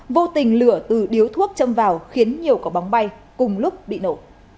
vô tình lửa từ điếu thuốc châm vào khiến nhiều cỏ bóng bay cùng lúc bị nổ